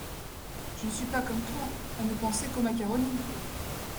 Je ne suis pas comme toi à ne penser qu’au macaroni !